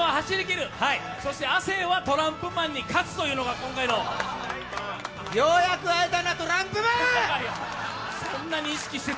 そして亜生はトランプマンに勝つというようやく会えたな、トランプマン！